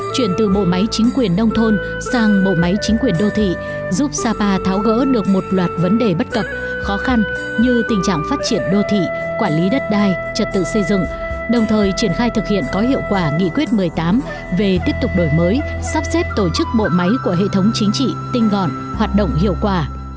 chuyển từ bộ máy chính quyền đông thôn sang bộ máy chính quyền đô thị giúp sapa tháo gỡ được một loạt vấn đề bất cập khó khăn như tình trạng phát triển đô thị quản lý đất đai trật tự xây dựng đồng thời triển khai thực hiện có hiệu quả nghị quyết một mươi tám về tiếp tục đổi mới sắp xếp tổ chức bộ máy của hệ thống chính trị tinh gọn hoạt động hiệu quả